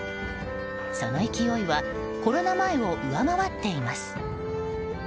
その勢いはコロナ前を上回っています。